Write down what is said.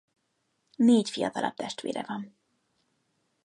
Négy fiatalabb testvére van.